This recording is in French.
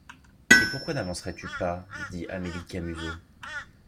Et pourquoi n’avancerais-tu pas? dit Amélie Camusot.